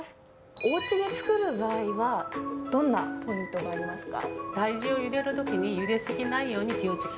おうちで作る場合はどんなポイントがありますか？